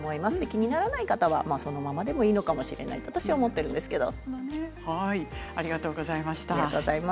気にならない方はそのままでもいいかもしれないと私は思っているんですけれど。